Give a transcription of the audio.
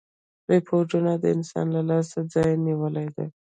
روبوټونه د انسان د لاس ځای نیولی دی.